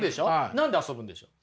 何で遊ぶんでしょう？